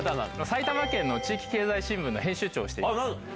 埼玉県の地域経済新聞の編集長をしてます。